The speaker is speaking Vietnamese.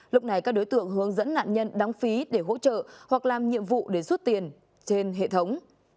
lúc này các đối tượng hướng dẫn nạn nhân đóng phí để hỗ trợ hoặc làm nhiệm vụ để rút tiền trên hệ thống